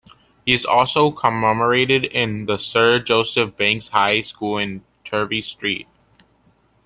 He is also commemorated in the Sir Joseph Banks High School in Turvey Street.